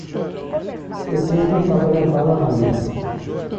Eu tenho tentado levá-la a vir.